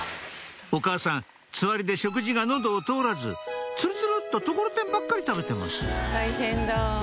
お母さんつわりで食事が喉を通らずつるつるっとところてんばっかり食べてます大変だ。